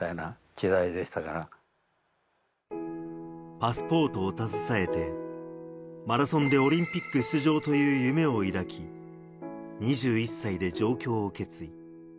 パスポートを携えて、マラソンでオリンピック出場という夢を抱き、２１歳で上京を決意。